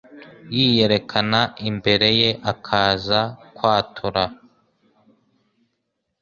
yiyerekana imbere ye akaza kwatura